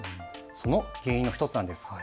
その原因の１つなんです。